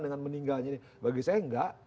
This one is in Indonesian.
dengan meninggalnya ini bagi saya enggak